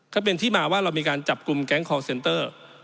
ก็เป็นที่มาว่าเรามีการจับกลุ่มแก๊งคอลเซนเตอร์